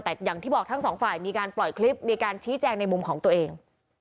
แต่อย่างที่บอกทั้งสองฝ่ายมีการปล่อยคลิปมีการชี้แจงในมุมของตัวเอง